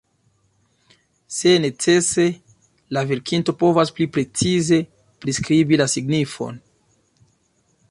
Se necese, la verkinto povas pli precize priskribi la signifon.